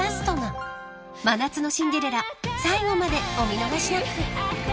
［『真夏のシンデレラ』最後までお見逃しなく］